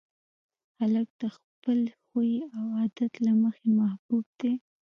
هلک د خپل خوی او عادت له مخې محبوب دی.